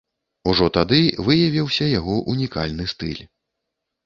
Ужо тады выявіўся яго унікальны стыль.